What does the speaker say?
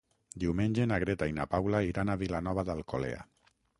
Diumenge na Greta i na Paula iran a Vilanova d'Alcolea.